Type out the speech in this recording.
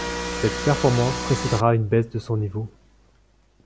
Cette performance précédera une baisse de son niveau.